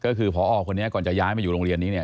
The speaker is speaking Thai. ก็คือพอคนนี้ก่อนจะย้ายมาอยู่โรงเรียนนี้เนี่ย